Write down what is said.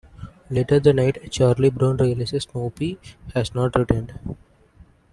Later that night, Charlie Brown realizes Snoopy has not returned.